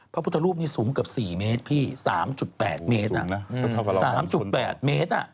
พระพุทธรูปนี้สูงเกือบ๔เมตรพี่๓๘เมตร๓๘เมตร